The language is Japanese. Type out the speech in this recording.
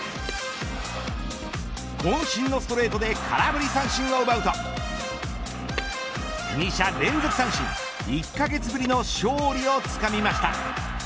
こん身のストレートで空振り三振を奪うと２者連続三振１カ月ぶりの勝利をつかみました。